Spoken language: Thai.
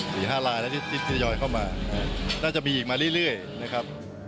สี่ห้าลายแล้วที่ทยอยเข้ามาน่าจะมีอีกมาเรื่อยนะครับ